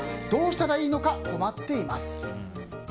どうしたらいいのか困っています。